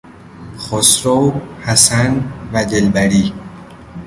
خسرو حسن و دلبری